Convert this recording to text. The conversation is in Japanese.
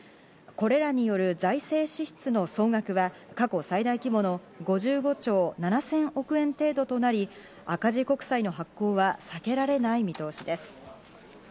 これらによる財政支出の総額は過去最大規模の５５兆７０００億円程度となり赤字国債の発行は避けられない見通しです。